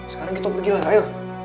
sekarang kita pergilah ayo